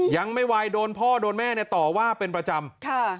ยังไม่ไหวโดนพ่อโดนแม่เนี่ยต่อว่าเป็นประจำ